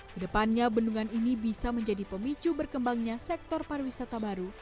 kedepannya bendungan ini bisa menjadi pemicu berkembangnya sektor pariwisata baru